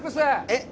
えっ？